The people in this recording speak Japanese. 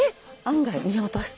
案外見落とす。